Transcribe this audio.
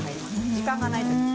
時間がないとき。